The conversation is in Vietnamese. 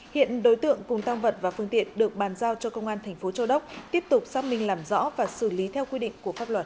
hiện đối tượng cùng tăng vật và phương tiện được bàn giao cho công an thành phố châu đốc tiếp tục xác minh làm rõ và xử lý theo quy định của pháp luật